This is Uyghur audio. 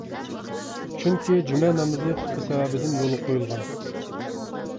چۈنكى جۈمە نامىزى خۇتبە سەۋەبىدىن يولغا قۇيۇلغان!